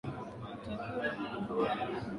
watakiwa mwanamke kwa kweli uwe unapendeza naa labdaa